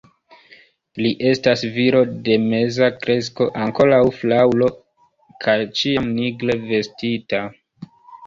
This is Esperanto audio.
Li estas viro de meza kresko, ankoraŭ fraŭlo kaj ĉiam nigre vestita.